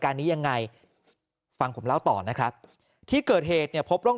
การนี้ยังไงฟังผมเล่าต่อนะครับที่เกิดเหตุเนี่ยพบร่อง